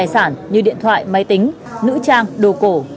các loại tài sản như điện thoại máy tính nữ trang đồ cổ